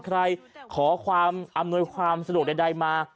ขอความอำนวยความสะดวกใดมา